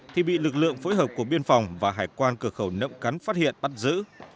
thì bị lực lượng phối hợp của biên phòng và hải quan cửa khẩu nậm cắn phát hiện bắt giữ